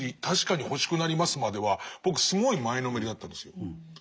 確かに欲しくなりますまでは僕すごい前のめりだったんですよ。